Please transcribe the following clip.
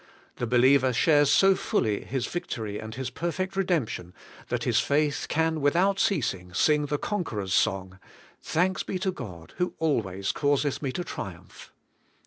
The be liever shares so fully His victory and His perfect re demption that his faith can without ceasing sing the conqueror's song: ^Thanks be to God, who always causeth me to triumph.'